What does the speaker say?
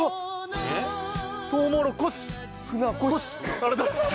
ありがとうございます。